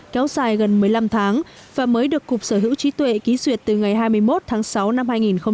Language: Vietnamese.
kéo dài gần một mươi năm tháng và mới được cục sở hữu trí tuệ ký duyệt từ ngày hai mươi một tháng sáu năm hai nghìn một mươi chín